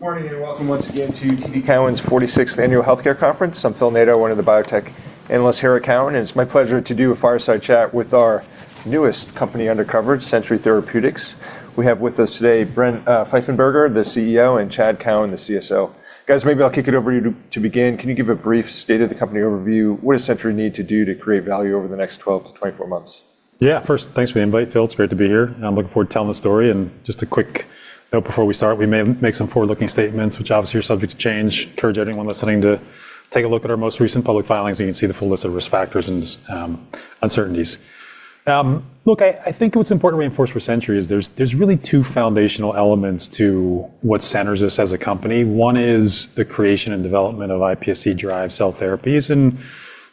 Good morning, welcome once again to TD Cowen's 46th Annual Healthcare Conference. I'm Phil Nadeau, one of the biotech analysts here at Cowen, and it's my pleasure to do a fireside chat with our newest company under coverage, Century Therapeutics. We have with us today Brent Pfeiffenberger, the CEO, and Chad Cowan, the CSO. Guys, maybe I'll kick it over to you to begin. Can you give a brief state-of-the-company overview? What does Century need to do to create value over the next 12 months to 24 months? Yeah. First, thanks for the invite, Phil. It's great to be here, and I'm looking forward to telling the story. Just a quick note before we start, we may make some forward-looking statements which obviously are subject to change. Encourage anyone listening to take a look at our most recent public filings, and you can see the full list of risk factors and uncertainties. Look, I think what's important to reinforce for Century is there's really two foundational elements to what centers us as a company. One is the creation and development of iPSC-derived cell therapies, and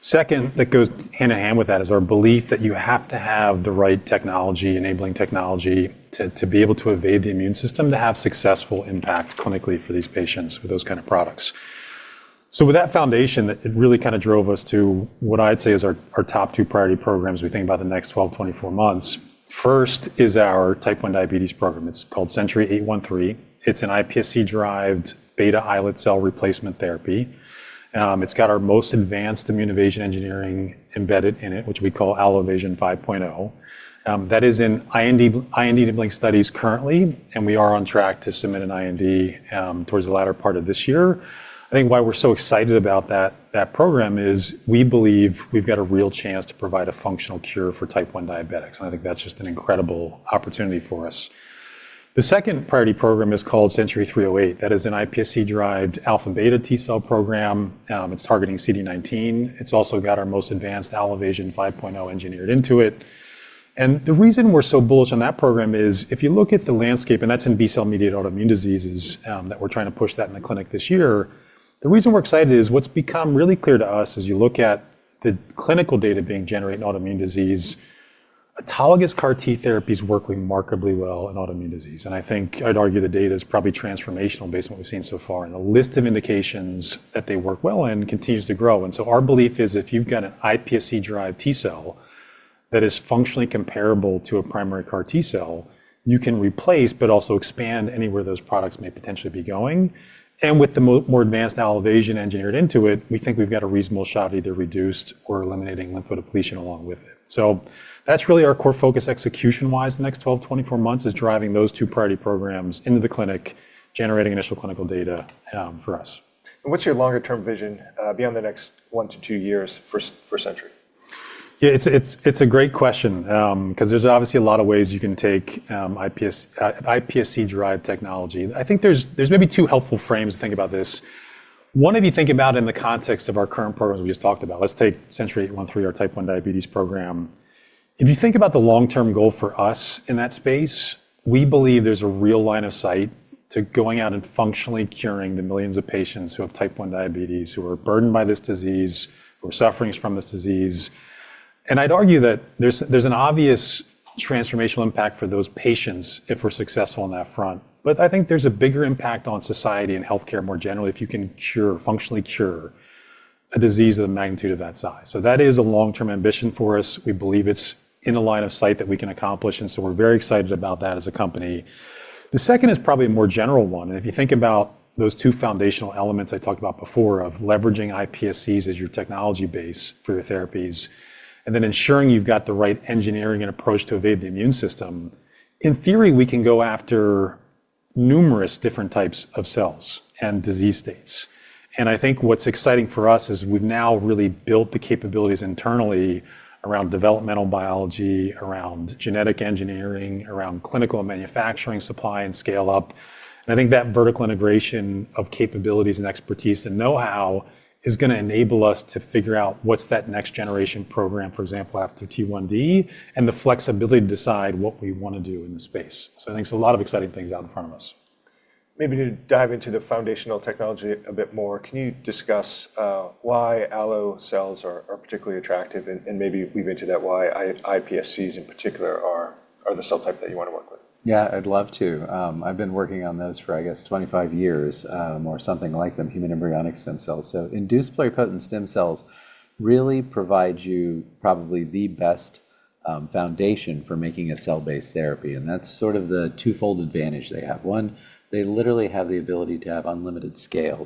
second, that goes hand-in-hand with that, is our belief that you have to have the right technology, enabling technology to be able to evade the immune system to have successful impact clinically for these patients with those kind of products. With that foundation, it really kind of drove us to what I'd say is our top two priority programs we think about the next 12-24 months. First is our Type 1 Diabetes program. It's called CNTY-813. It's an iPSC-derived beta islet cell replacement therapy. It's got our most advanced immune evasion engineering embedded in it, which we call Allo-Evasion 5.0. That is in IND-enabling studies currently, and we are on track to submit an IND towards the latter part of this year. I think why we're so excited about that program is we believe we've got a real chance to provide a functional cure for Type 1 diabetics, and I think that's just an incredible opportunity for us. The second priority program is called CNTY-308. That is an iPSC-derived alpha beta T cell program. It's targeting CD19. It's also got our most advanced Allo-Evasion 5.0 engineered into it. The reason we're so bullish on that program is if you look at the landscape, and that's in B-cell-mediated autoimmune diseases, that we're trying to push that in the clinic this year, the reason we're excited is what's become really clear to us as you look at the clinical data being generated in autoimmune disease, autologous CAR T therapies work remarkably well in autoimmune disease. I think I'd argue the data is probably transformational based on what we've seen so far, and the list of indications that they work well in continues to grow. Our belief is if you've got an iPSC-derived T cell that is functionally comparable to a primary CAR T cell, you can replace but also expand anywhere those products may potentially be going. With the more advanced Allo-Evasion engineered into it, we think we've got a reasonable shot at either reduced or eliminating lymphodepletion along with it. That's really our core focus execution-wise the next 12 months-24 months, is driving those two priority programs into the clinic, generating initial clinical data for us. What's your longer-term vision, beyond the next one to two years for Century? Yeah, it's a great question, 'cause there's obviously a lot of ways you can take iPSC-derived technology. I think there's maybe two helpful frames to think about this. One, if you think about in the context of our current programs we just talked about. Let's take CNTY-813, our Type 1 Diabetes program. If you think about the long-term goal for us in that space, we believe there's a real line of sight to going out and functionally curing the millions of patients who have Type 1 Diabetes, who are burdened by this disease, who are suffering from this disease. I'd argue that there's an obvious transformational impact for those patients if we're successful on that front. I think there's a bigger impact on society and healthcare more generally if you can cure, functionally cure a disease of the magnitude of that size. That is a long-term ambition for us. We believe it's in the line of sight that we can accomplish, we're very excited about that as a company. The second is probably a more general one, if you think about those two foundational elements I talked about before of leveraging iPSCs as your technology base for your therapies and then ensuring you've got the right engineering and approach to evade the immune system, in theory, we can go after numerous different types of cells and disease states. I think what's exciting for us is we've now really built the capabilities internally around developmental biology, around genetic engineering, around clinical manufacturing, supply, and scale-up. I think that vertical integration of capabilities and expertise and know-how is gonna enable us to figure out what's that next generation program, for example, after T1D, and the flexibility to decide what we wanna do in the space. I think there's a lot of exciting things out in front of us. Maybe to dive into the foundational technology a bit more, can you discuss why allo cells are particularly attractive? Maybe weave into that why iPSCs in particular are the cell type that you wanna work with. Yeah, I'd love to. I've been working on those for, I guess, 25 years, or something like them, human embryonic stem cells. Induced pluripotent stem cells really provide you probably the best foundation for making a cell-based therapy, and that's sort of the twofold advantage they have. One, they literally have the ability to have unlimited scale.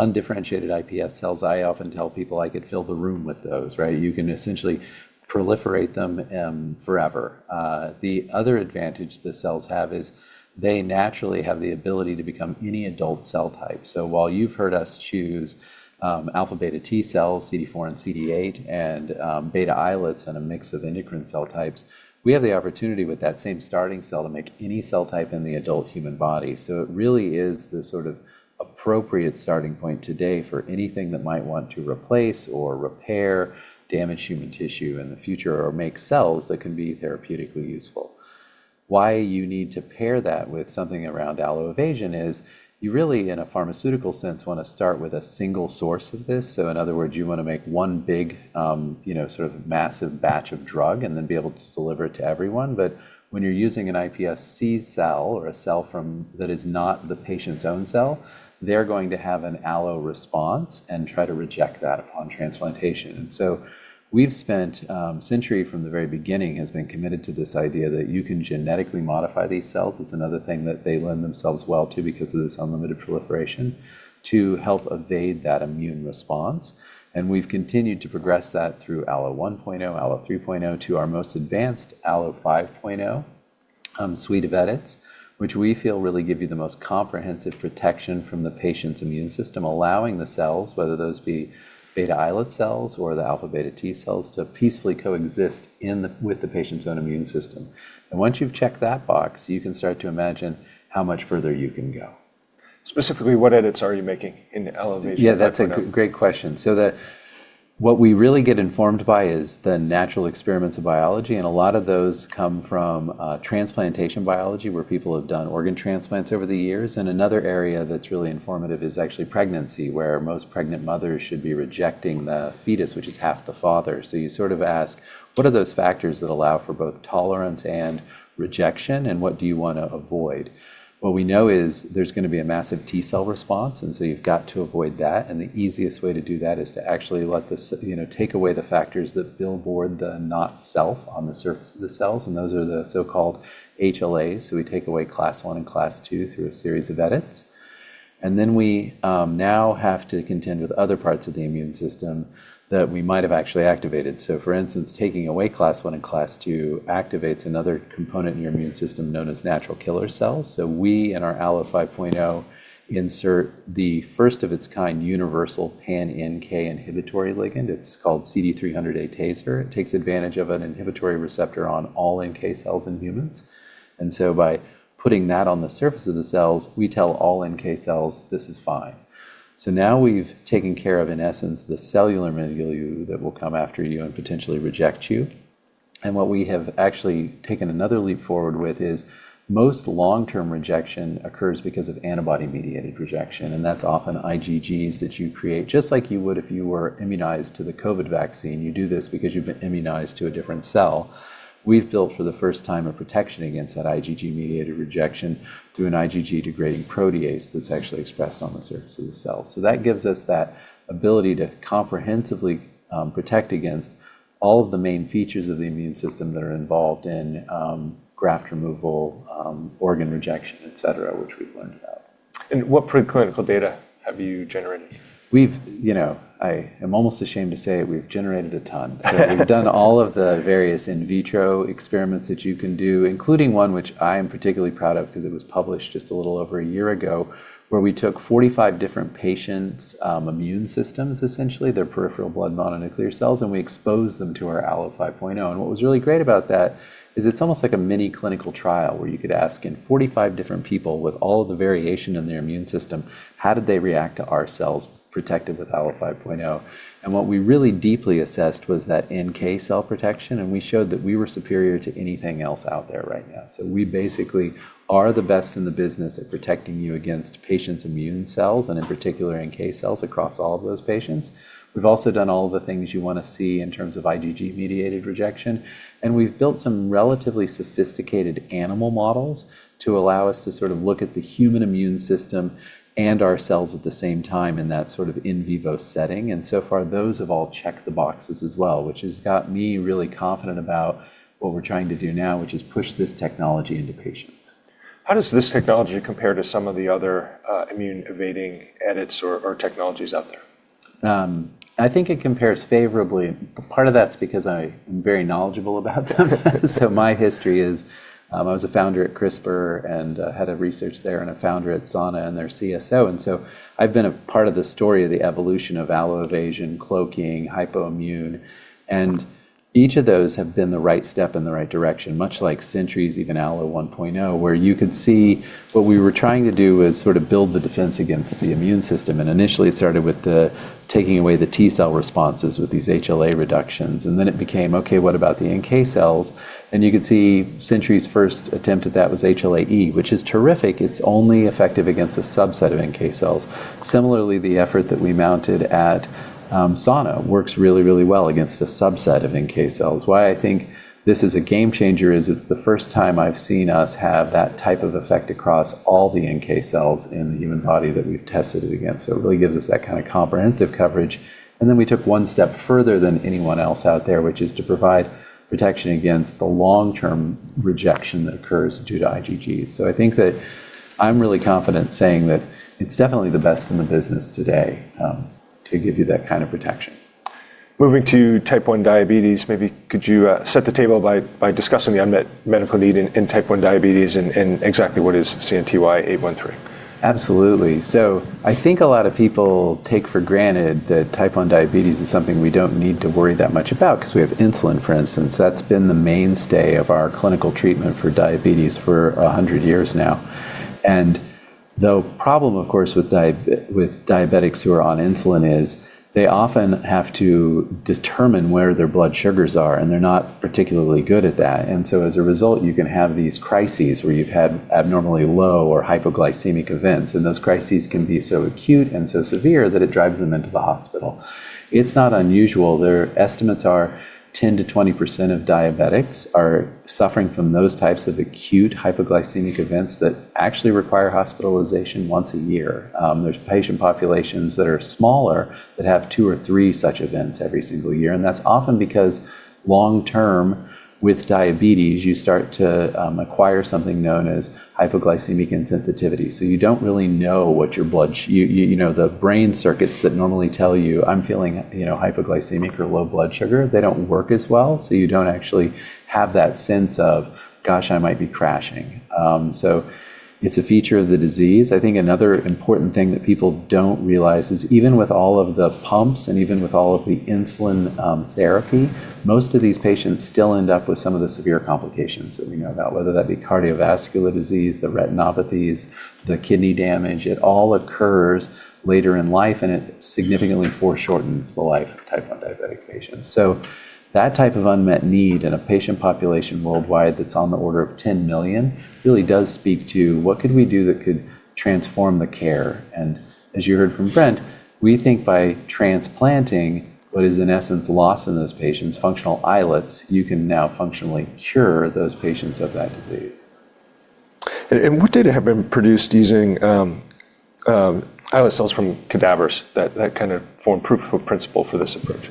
Undifferentiated iPSCs, I often tell people I could fill the room with those, right? You can essentially proliferate them forever. The other advantage the cells have is they naturally have the ability to become any adult cell type. While you've heard us choose alpha beta T cells, CD4 and CD8, and beta islets and a mix of endocrine cell types, we have the opportunity with that same starting cell to make any cell type in the adult human body. It really is the sort of appropriate starting point today for anything that might want to replace or repair damaged human tissue in the future or make cells that can be therapeutically useful. Why you need to pair that with something around Allo-Evasion is you really, in a pharmaceutical sense, wanna start with a single source of this. In other words, you wanna make one big, you know, sort of massive batch of drug and then be able to deliver it to everyone. When you're using an iPSC cell or a cell that is not the patient's own cell, they're going to have an allo response and try to reject that upon transplantation. We've spent, Century from the very beginning has been committed to this idea that you can genetically modify these cells. It's another thing that they lend themselves well to because of this unlimited proliferation to help evade that immune response, we've continued to progress that through Allo 1.0, Allo 3.0, to our most advanced Allo 5.0 suite of edits, which we feel really give you the most comprehensive protection from the patient's immune system, allowing the cells, whether those be beta islet cells or the alpha beta T cells, to peacefully coexist with the patient's own immune system. Once you've checked that box, you can start to imagine how much further you can go. Specifically, what edits are you making in Allo-Evasion 5.0? Yeah, that's a great question. What we really get informed by is the natural experiments of biology, and a lot of those come from transplantation biology, where people have done organ transplants over the years. Another area that's really informative is actually pregnancy, where most pregnant mothers should be rejecting the fetus, which is half the father. You sort of ask, what are those factors that allow for both tolerance and rejection, and what do you wanna avoid? What we know is there's gonna be a massive T cell response, you've got to avoid that, the easiest way to do that is to actually let this, you know, take away the factors that billboard the not self on the surface of the cells, and those are the so-called HLAs. We take away Class I and Class II through a series of edits. Then we now have to contend with other parts of the immune system that we might have actually activated. For instance, taking away Class I and Class II activates another component in your immune system known as natural killer cells. We, in our Allo 5.0, insert the first of its kind universal pan-NK inhibitory ligand. It's called CD300a TASR. It takes advantage of an inhibitory receptor on all NK cells in humans. By putting that on the surface of the cells, we tell all NK cells, "This is fine." Now we've taken care of, in essence, the cellular medulla that will come after you and potentially reject you. What we have actually taken another leap forward with is most long-term rejection occurs because of antibody-mediated rejection, and that's often IgGs that you create, just like you would if you were immunized to the COVID vaccine. You do this because you've been immunized to a different cell. We've built for the first time a protection against that IgG-mediated rejection through an IgG-degrading protease that's actually expressed on the surface of the cell. That gives us that ability to comprehensively protect against all of the main features of the immune system that are involved in graft removal, organ rejection, et cetera, which we've learned about. What preclinical data have you generated? We've, you know, I am almost ashamed to say it, we've generated a ton. We've done all of the various in vitro experiments that you can do, including one which I am particularly proud of because it was published just a little over a year ago, where we took 45 different patients', immune systems, essentially, their Peripheral blood mononuclear cells, and we exposed them to our Allo 5.0. What was really great about that is it's almost like a mini clinical trial, where you could ask in 45 different people with all of the variation in their immune system, how did they react to our cells protected with Allo 5.0? What we really deeply assessed was that NK cell protection, and we showed that we were superior to anything else out there right now. We basically are the best in the business at protecting you against patients' immune cells and in particular NK cells across all of those patients. We've also done all the things you want to see in terms of IgG-mediated rejection, and we've built some relatively sophisticated animal models to allow us to sort of look at the human immune system and our cells at the same time in that sort of in vivo setting. So far, those have all checked the boxes as well, which has got me really confident about what we're trying to do now, which is push this technology into patients. How does this technology compare to some of the other immune-evading edits or technologies out there? I think it compares favorably. Part of that's because I am very knowledgeable about them. My history is, I was a founder at CRISPR and head of research there and a founder at Sana and their CSO. I've been a part of the story of the evolution of Allo-Evasion, cloaking, Hypoimmune, and each of those have been the right step in the right direction, much like Century's even Allo 1.0, where you could see what we were trying to do is sort of build the defense against the immune system. Initially, it started with the taking away the T cell responses with these HLA reductions, then it became, okay, what about the NK cells? You could see Century's first attempt at that was HLA-E, which is terrific. It's only effective against a subset of NK cells. Similarly, the effort that we mounted at Sana works really, really well against a subset of NK cells. Why I think this is a game changer is it's the first time I've seen us have that type of effect across all the NK cells in the human body that we've tested it against. It really gives us that kind of comprehensive coverage. We took one step further than anyone else out there, which is to provide protection against the long-term rejection that occurs due to IgGs. I think that I'm really confident saying that it's definitely the best in the business today to give you that kind of protection. Moving to Type 1 Diabetes, maybe could you set the table by discussing the unmet medical need in Type 1 Diabetes and exactly what is CNTY-813? Absolutely. I think a lot of people take for granted that Type 1 Diabetes is something we don't need to worry that much about because we have insulin, for instance. That's been the mainstay of our clinical treatment for diabetes for 100 years now. The problem, of course, with diabetics who are on insulin is they often have to determine where their blood sugars are, and they're not particularly good at that. As a result, you can have these crises where you've had abnormally low or hypoglycemic events, and those crises can be so acute and so severe that it drives them into the hospital. It's not unusual. Their estimates are 10%-20% of diabetics are suffering from those types of acute hypoglycemic events that actually require hospitalization once a year. There's patient populations that are smaller that have two or three such events every single year, and that's often because long term with diabetes, you start to acquire something known as hypoglycemia unawareness. You don't really know what your blood sugar, you know, the brain circuits that normally tell you, "I'm feeling, you know, hypoglycemic or low blood sugar," they don't work as well, so you don't actually have that sense of, "Gosh, I might be crashing." It's a feature of the disease. I think another important thing that people don't realize is even with all of the pumps and even with all of the insulin therapy, most of these patients still end up with some of the severe complications that we know about, whether that be cardiovascular disease, the retinopathies, the kidney damage. It all occurs later in life, and it significantly foreshortens the life of Type 1 diabetic patients. That type of unmet need in a patient population worldwide that's on the order of 10 million really does speak to what could we do that could transform the care. As you heard from Brent, we think by transplanting what is in essence lost in those patients' functional islets, you can now functionally cure those patients of that disease. What data have been produced using islet cells from cadavers that kind of form proof of principle for this approach?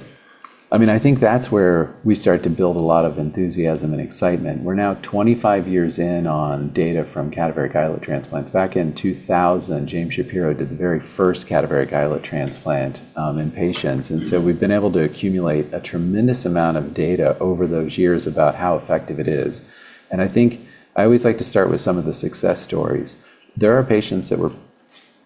I mean, I think that's where we start to build a lot of enthusiasm and excitement. We're now 25 years in on data from cadaveric islet transplants. Back in 2000, James Shapiro did the very first cadaveric islet transplant in patients. We've been able to accumulate a tremendous amount of data over those years about how effective it is. I think I always like to start with some of the success stories. There are patients that were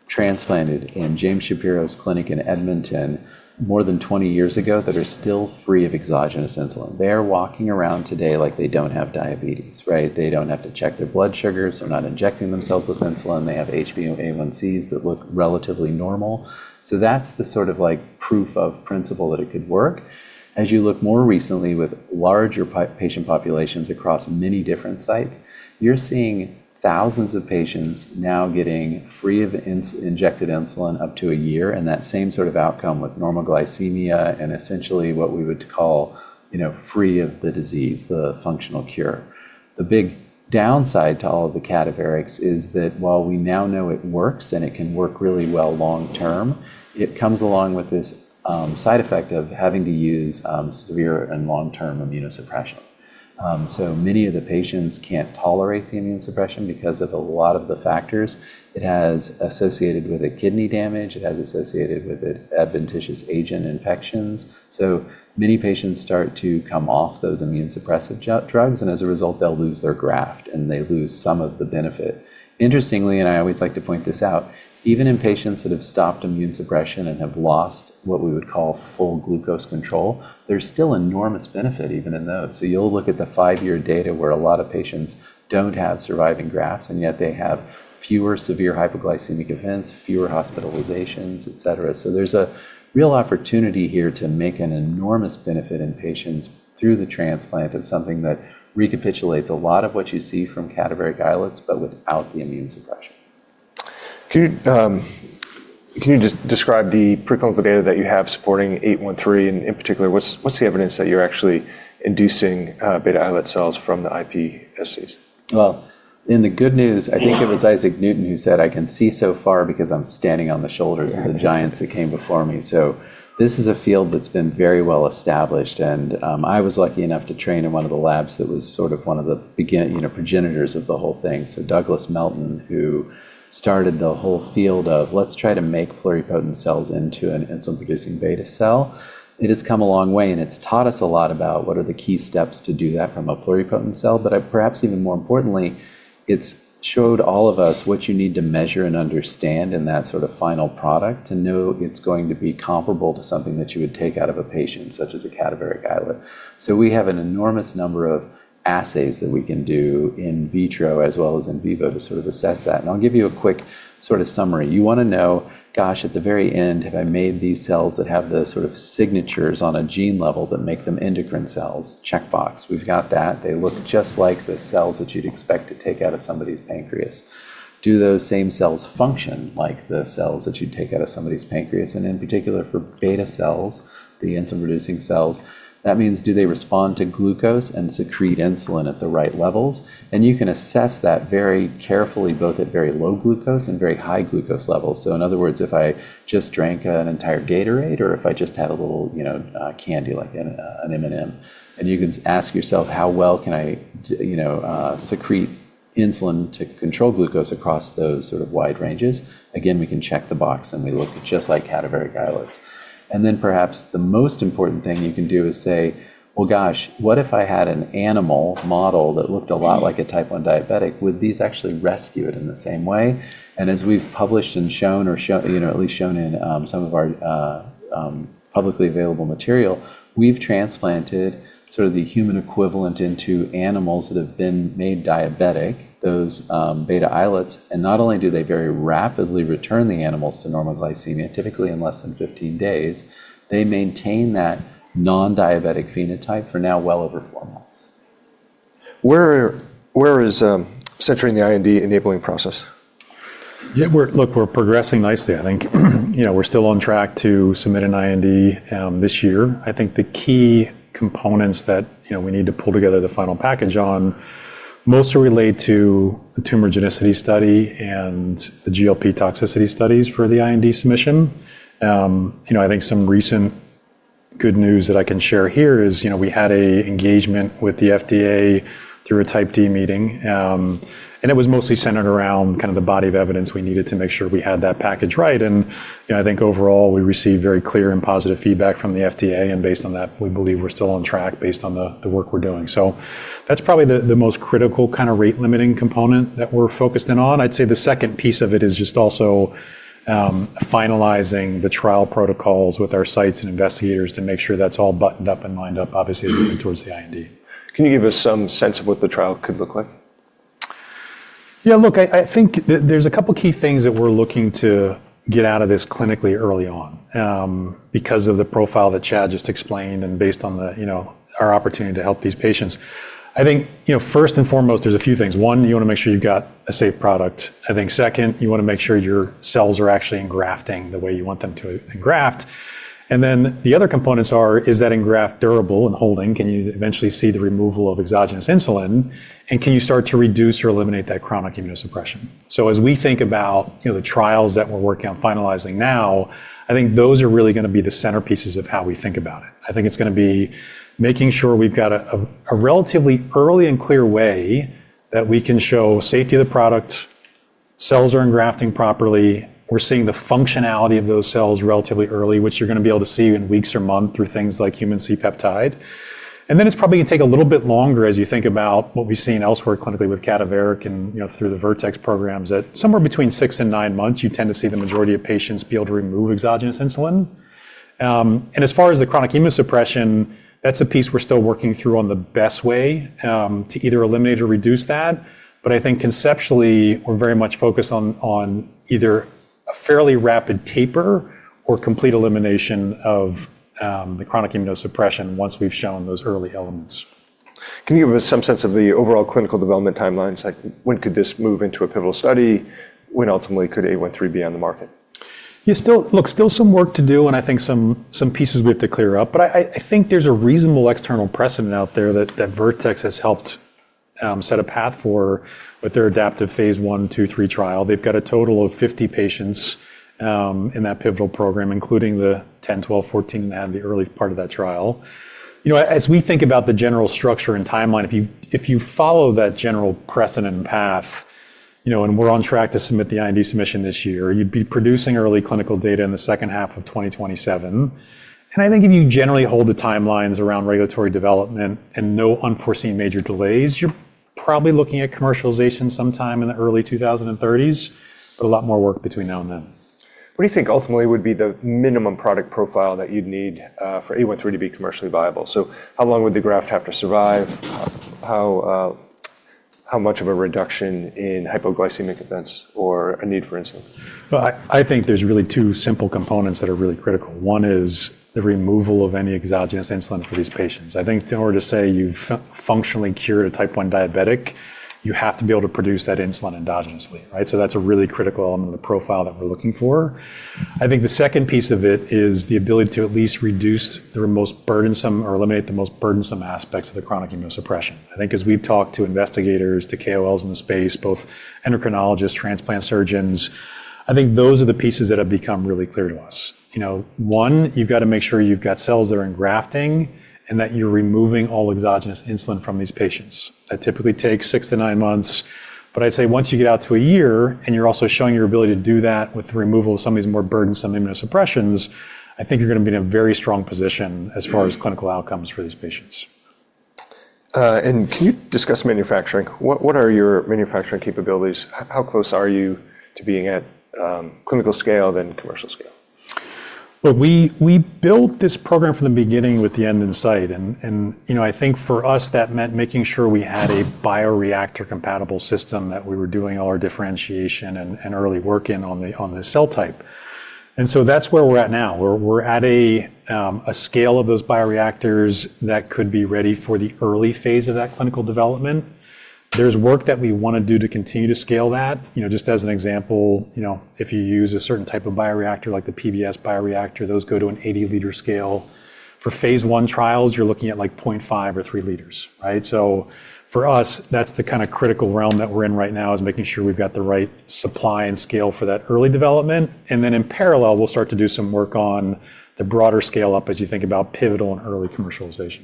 transplanted in James Shapiro's clinic in Edmonton more than 20 years ago that are still free of exogenous insulin. They are walking around today like they don't have diabetes, right? They don't have to check their blood sugars. They're not injecting themselves with insulin. They have HbA1cs that look relatively normal. That's the sort of like proof of principle that it could work. As you look more recently with larger patient populations across many different sites, you're seeing thousands of patients now getting free of injected insulin up to a year, and that same sort of outcome with normoglycemia and essentially what we would call, you know, free of the disease, the functional cure. The big downside to all of the cadaverics is that while we now know it works and it can work really well long term, it comes along with this side effect of having to use severe and long-term immunosuppression. Many of the patients can't tolerate the immunosuppression because of a lot of the factors it has associated with it, kidney damage. It has associated with it adventitious agent infections. Many patients start to come off those immune suppressive drugs, and as a result, they'll lose their graft and they lose some of the benefit. Interestingly, and I always like to point this out, even in patients that have stopped immune suppression and have lost what we would call full glucose control, there's still enormous benefit even in those. You'll look at the five-year data where a lot of patients don't have surviving grafts, and yet they have fewer severe hypoglycemic events, fewer hospitalizations, et cetera. There's a real opportunity here to make an enormous benefit in patients through the transplant of something that recapitulates a lot of what you see from cadaveric islets, but without the immune suppression. Can you describe the preclinical data that you have supporting 813? In particular, what's the evidence that you're actually inducing beta islet cells from the iPSCs? In the good news, I think it was Isaac Newton who said, "I can see so far because I'm standing on the shoulders of the giants that came before me." This is a field that's been very well established, and I was lucky enough to train in one of the labs that was sort of one of the you know, progenitors of the whole thing. Douglas Melton, who started the whole field of let's try to make pluripotent cells into an insulin-producing beta cell, it has come a long way, and it's taught us a lot about what are the key steps to do that from a pluripotent cell. Perhaps even more importantly, it's showed all of us what you need to measure and understand in that sort of final product to know it's going to be comparable to something that you would take out of a patient, such as a cadaveric islet. We have an enormous number of assays that we can do in vitro as well as in vivo to sort of assess that. I'll give you a quick sort of summary. You wanna know, gosh, at the very end, have I made these cells that have the sort of signatures on a gene level that make them endocrine cells? Checkbox. We've got that. They look just like the cells that you'd expect to take out of somebody's pancreas. Do those same cells function like the cells that you'd take out of somebody's pancreas? In particular, for beta cells, the insulin-producing cells, that means do they respond to glucose and secrete insulin at the right levels? You can assess that very carefully, both at very low glucose and very high glucose levels. In other words, if I just drank an entire Gatorade or if I just had a little, you know, candy like an M&M's, and you can ask yourself how well can I secrete insulin to control glucose across those sort of wide ranges. Again, we can check the box, and they look just like cadaveric islets. Then perhaps the most important thing you can do is say, "Well, gosh, what if I had an animal model that looked a lot like a Type 1 diabetic? Would these actually rescue it in the same way? As we've published and shown or you know, at least shown in some of our publicly available material, we've transplanted sort of the human equivalent into animals that have been made diabetic, those beta islets. Not only do they very rapidly return the animals to normoglycemia, typically in less than 15 days, they maintain that non-diabetic phenotype for now well over 4 months. Where is centering the IND enabling process? Yeah, look, we're progressing nicely. I think, you know, we're still on track to submit an IND this year. I think the key components that, you know, we need to pull together the final package on mostly relate to the tumorigenicity study and the GLP toxicity studies for the IND submission. You know, I think some recent good news that I can share here is, you know, we had a engagement with the FDA through a Type D meeting, and it was mostly centered around kind of the body of evidence we needed to make sure we had that package right. You know, I think overall we received very clear and positive feedback from the FDA, and based on that, we believe we're still on track based on the work we're doing. That's probably the most critical kind of rate-limiting component that we're focused in on. I'd say the second piece of it is just finalizing the trial protocols with our sites and investigators to make sure that's all buttoned up and lined up, obviously towards the IND. Can you give us some sense of what the trial could look like? Yeah, look, I think there's a couple key things that we're looking to get out of this clinically early on, because of the profile that Chad just explained, and based on the, you know, our opportunity to help these patients. I think, you know, first and foremost, there's a few things. One, you wanna make sure you've got a safe product. I think second, you wanna make sure your cells are actually engrafting the way you want them to engraft. Then the other components are: Is that engraft durable and holding? Can you eventually see the removal of exogenous insulin? Can you start to reduce or eliminate that chronic immunosuppression? As we think about, you know, the trials that we're working on finalizing now, I think those are really gonna be the centerpieces of how we think about it. I think it's gonna be making sure we've got a relatively early and clear way that we can show safety of the product, cells are engrafting properly. We're seeing the functionality of those cells relatively early, which you're gonna be able to see in weeks or months through things like human C-peptide. It's probably gonna take a little bit longer as you think about what we've seen elsewhere clinically with cadaveric and, you know, through the Vertex programs that somewhere between 6 months and 9 months, you tend to see the majority of patients be able to remove exogenous insulin. As far as the chronic immunosuppression, that's a piece we're still working through on the best way to either eliminate or reduce that. I think conceptually we're very much focused on either a fairly rapid taper or complete elimination of the chronic immunosuppression once we've shown those early elements. Can you give us some sense of the overall clinical development timelines? Like when could this move into a pivotal study? When ultimately could CNTY-813 be on the market? Look, still some work to do, I think some pieces we have to clear up, but I think there's a reasonable external precedent out there that Vertex has helped set a path for with their adaptive phase I, II, III trial. They've got a total of 50 patients in that pivotal program, including the 10, 12, 14 that had the early part of that trial. You know, as we think about the general structure and timeline, if you follow that general precedent and path, you know, and we're on track to submit the IND submission this year, you'd be producing early clinical data in the second half of 2027. I think if you generally hold the timelines around regulatory development and no unforeseen major delays, you're probably looking at commercialization sometime in the early 2030s, but a lot more work between now and then. What do you think ultimately would be the minimum product profile that you'd need for CNTY-813 to be commercially viable? How long would the graft have to survive? How much of a reduction in hypoglycemic events or a need for insulin? Well, I think there's really two simple components that are really critical. One is the removal of any exogenous insulin for these patients. I think in order to say you've functionally cured a Type 1 diabetic, you have to be able to produce that insulin endogenously, right? That's a really critical element of the profile that we're looking for. I think the second piece of it is the ability to at least reduce the most burdensome or eliminate the most burdensome aspects of the chronic immunosuppression. I think as we've talked to investigators, to KOLs in the space, both endocrinologists, transplant surgeons, I think those are the pieces that have become really clear to us. You know, one, you've gotta make sure you've got cells that are engrafting and that you're removing all exogenous insulin from these patients. That typically takes six to nine months, but I'd say once you get out to a year and you're also showing your ability to do that with the removal of some of these more burdensome immunosuppressions, I think you're gonna be in a very strong position as far as clinical outcomes for these patients. Can you discuss manufacturing? What are your manufacturing capabilities? How close are you to being at clinical scale, then commercial scale? Well, we built this program from the beginning with the end in sight and, you know, I think for us, that meant making sure we had a bioreactor compatible system, that we were doing all our differentiation and early work in on the cell type. That's where we're at now. We're at a scale of those bioreactors that could be ready for the early phase of that clinical development. There's work that we wanna do to continue to scale that. You know, just as an example, you know, if you use a certain type of bioreactor like the PBS bioreactor, those go to an 80-liter scale. For phase I trials, you're looking at like 0.5 or 3 liters, right? For us, that's the kinda critical realm that we're in right now, is making sure we've got the right supply and scale for that early development. Then in parallel, we'll start to do some work on the broader scale-up as you think about pivotal and early commercialization.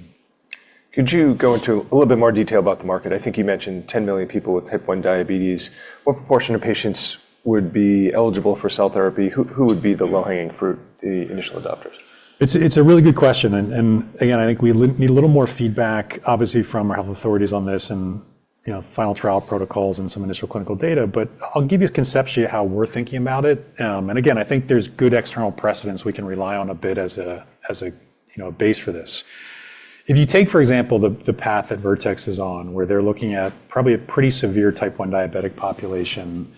Could you go into a little bit more detail about the market? I think you mentioned 10 million people with Type 1 Diabetes. What proportion of patients would be eligible for cell therapy? Who would be the low-hanging fruit, the initial adopters? It's a really good question. again, I think we need a little more feedback, obviously from our health authorities on this and, you know, final trial protocols and some initial clinical data. I'll give you conceptually how we're thinking about it. again, I think there's good external precedence we can rely on a bit as a, you know, a base for this. If you take, for example, the path that Vertex is on, where they're looking at probably a pretty severe Type 1 diabetic population,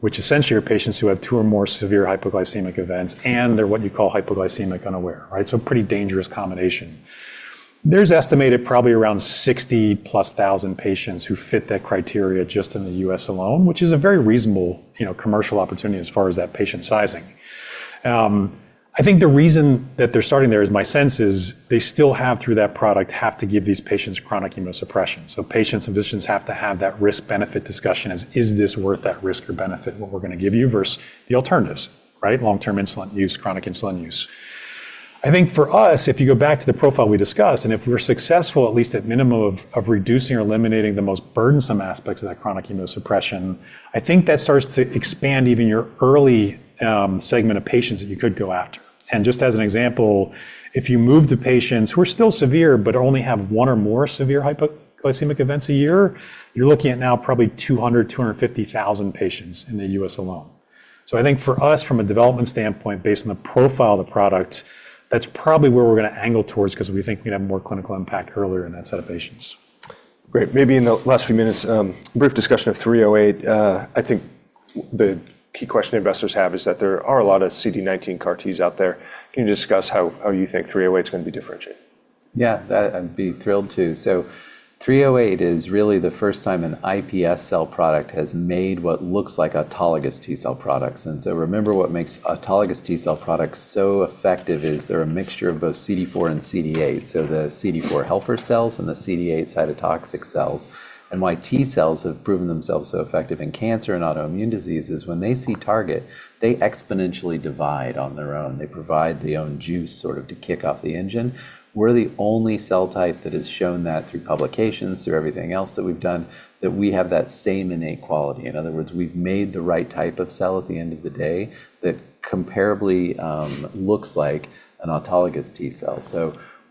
which essentially are patients who have two or more severe hypoglycemic events, and they're what you call hypoglycemic unaware, right? A pretty dangerous combination. There's estimated probably around 60-plus thousand patients who fit that criteria just in the U.S. alone, which is a very reasonable, you know, commercial opportunity as far as that patient sizing. I think the reason that they're starting there is my sense is they still have, through that product, have to give these patients chronic immunosuppression. Patients and physicians have to have that risk-benefit discussion as is this worth that risk or benefit, what we're gonna give you, versus the alternatives, right? Long-term insulin use, chronic insulin use. I think for us, if you go back to the profile we discussed, and if we're successful, at least at minimum of reducing or eliminating the most burdensome aspects of that chronic immunosuppression, I think that starts to expand even your early segment of patients that you could go after. Just as an example, if you move to patients who are still severe but only have one or more severe hypoglycemic events a year, you're looking at now probably 200,000-250,000 patients in the U.S. alone. I think for us from a development standpoint based on the profile of the product, that's probably where we're gonna angle towards 'cause we think we can have more clinical impact earlier in that set of patients. Great. Maybe in the last few minutes, a brief discussion of 308. I think the key question investors have is that there are a lot of CD19 CAR-Ts out there. Can you discuss how you think 308's gonna be differentiated? Yeah. That I'd be thrilled to. CNTY-308 is really the first time an iPSC product has made what looks like autologous T cell products. Remember what makes autologous T cell products so effective is they're a mixture of both CD4 and CD8, so the CD4 helper cells and the CD8 cytotoxic cells. Why T cells have proven themselves so effective in cancer and autoimmune disease is when they see target, they exponentially divide on their own. They provide their own juice sort of to kick off the engine. We're the only cell type that has shown that through publications, through everything else that we've done, that we have that same innate quality. In other words, we've made the right type of cell at the end of the day that comparably looks like an autologous T cell.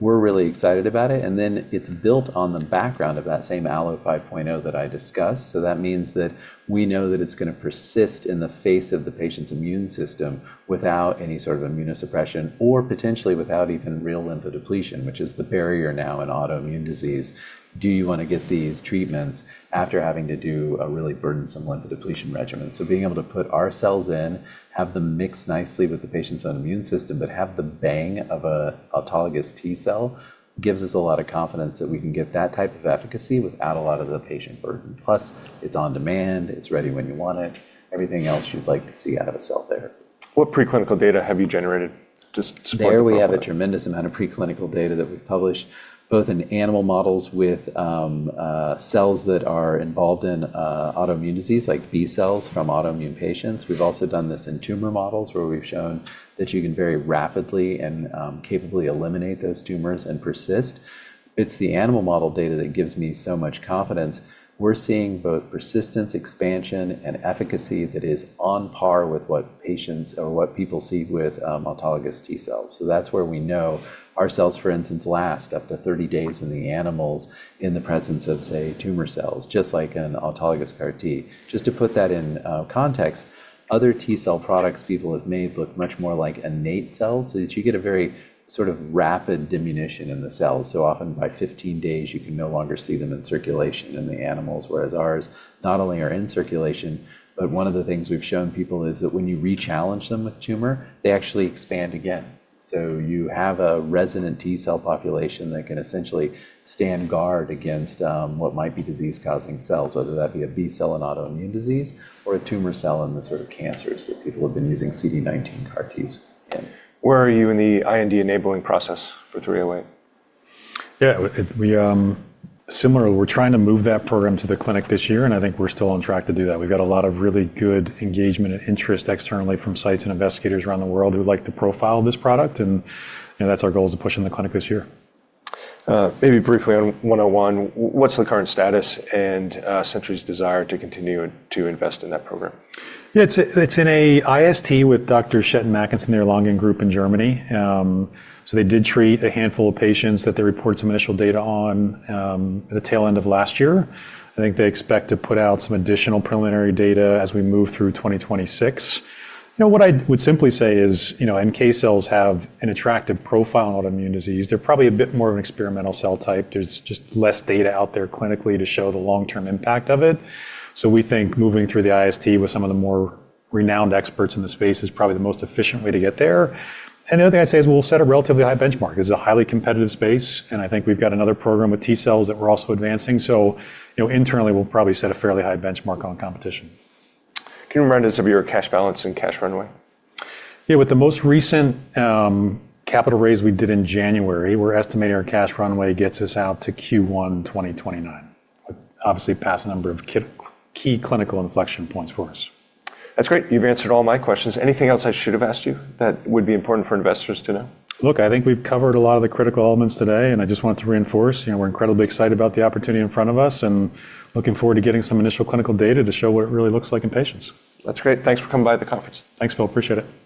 We're really excited about it, and then it's built on the background of that same Allo 5.0 that I discussed, so that means that we know that it's gonna persist in the face of the patient's immune system without any sort of immunosuppression or potentially without even real lymphodepletion, which is the barrier now in autoimmune disease. Do you wanna get these treatments after having to do a really burdensome lymphodepletion regimen? Being able to put our cells in, have them mix nicely with the patient's own immune system, but have the bang of a autologous T cell gives us a lot of confidence that we can get that type of efficacy without a lot of the patient burden. Plus it's on demand. It's ready when you want it. Everything else you'd like to see out of a cell there. What preclinical data have you generated to support the program? There we have a tremendous amount of preclinical data that we've published, both in animal models with cells that are involved in autoimmune disease like B cells from autoimmune patients. We've also done this in tumor models where we've shown that you can very rapidly and capably eliminate those tumors and persist. It's the animal model data that gives me so much confidence. We're seeing both persistence, expansion, and efficacy that is on par with what patients or what people see with autologous T cells. That's where we know our cells, for instance, last up to 30 days in the animals in the presence of, say, tumor cells, just like an autologous CAR T. Just to put that in context, other T cell products people have made look much more like innate cells, so that you get a very sort of rapid diminution in the cells, so often by 15 days you can no longer see them in circulation in the animals, whereas ours not only are in circulation, but one of the things we've shown people is that when you rechallenge them with tumor, they actually expand again. You have a resident T cell population that can essentially stand guard against what might be disease-causing cells, whether that be a B cell in autoimmune disease or a tumor cell in the sort of cancers that people have been using CD19 CAR-Ts in. Where are you in the IND-enabling process for 308? Yeah. We, similar, we're trying to move that program to the clinic this year. I think we're still on track to do that. We've got a lot of really good engagement and interest externally from sites and investigators around the world who like the profile of this product. You know, that's our goal is to push in the clinic this year. Maybe briefly on 101, what's the current status and Century's desire to continue to invest in that program? Yeah, it's in a IST with Dr. Andreas Mackensen there along in group in Germany. They did treat a handful of patients that they report some initial data on at the tail end of last year. I think they expect to put out some additional preliminary data as we move through 2026. You know, what I would simply say is, you know, NK cells have an attractive profile in autoimmune disease. They're probably a bit more of an experimental cell type. There's just less data out there clinically to show the long-term impact of it. We think moving through the IST with some of the more renowned experts in the space is probably the most efficient way to get there. The other thing I'd say is we'll set a relatively high benchmark. This is a highly competitive space. I think we've got another program with T cells that we're also advancing. You know, internally we'll probably set a fairly high benchmark on competition. Can you remind us of your cash balance and cash runway? Yeah. With the most recent, capital raise we did in January, we're estimating our cash runway gets us out to Q1 2029. Obviously past a number of key clinical inflection points for us. That's great. You've answered all my questions. Anything else I should have asked you that would be important for investors to know? Look, I think we've covered a lot of the critical elements today, and I just wanted to reinforce, you know, we're incredibly excited about the opportunity in front of us and looking forward to getting some initial clinical data to show what it really looks like in patients. That's great. Thanks for coming by the conference. Thanks, Phil. Appreciate it.